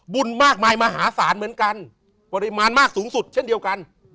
บุญมากมายมหาศาลเหมือนกันปริมาณมากสูงสุดเช่นเดียวกัน